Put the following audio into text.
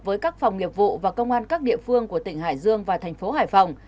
với các phòng nghiệp vụ và công an các địa phương của tỉnh hải dương và thành phố hải phòng